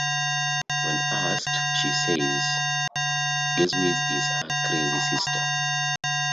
When asked, she says Geschwitz is her crazy sister.